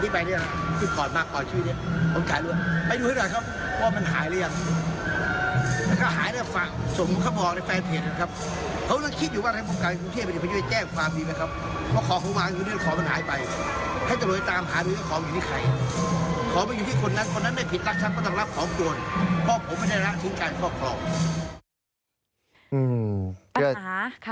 ปัญหาค่ะ